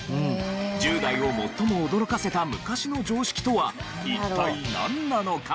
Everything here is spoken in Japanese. １０代を最も驚かせた昔の常識とは一体なんなのか？